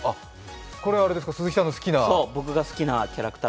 これ、鈴木さんの好きな？